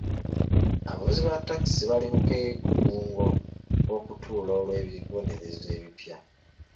Abavuzi ba taxi bali mu keegugungo k'okutuula olw'ebibonerezo ebipya.